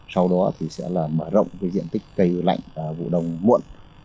sau đó sẽ mở rộng diện tích cây lạnh và vụ đông muộn